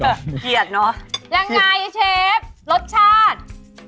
ยังไงเชฟรสชาติ